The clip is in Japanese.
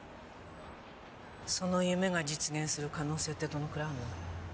その夢が実現する可能性ってどのくらいあんの？